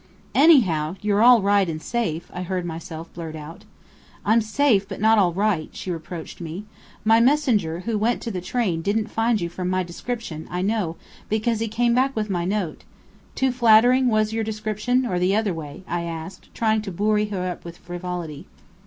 "Anyhow, you're all right and safe," I heard myself blurt out. "I'm safe, but not all right!" she reproached me. "My messenger who went to the train didn't find you from my description, I know, because he came back with my note " "Too flattering, was your description, or the other way?" I asked, trying to buoy her up with frivolity.